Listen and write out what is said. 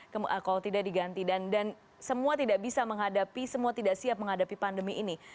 kalau tidak diganti dan semua tidak bisa menghadapi semua tidak siap menghadapi pandemi ini